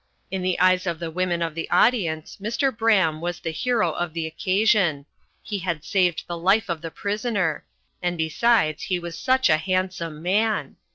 In the eyes of the women of the audience Mr. Braham was the hero of the occasion; he had saved the life of the prisoner; and besides he was such a handsome man.